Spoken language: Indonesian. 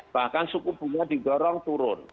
bahkan cukup punya digorong turun